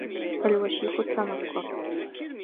الْوَشِيكُ التَّنَكُّرِ